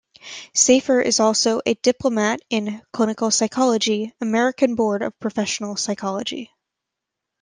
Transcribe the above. Safer is also a Diplomate in Clinical Psychology, American Board of Professional Psychology.